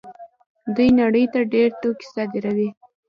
دوی نړۍ ته ډېر توکي صادروي.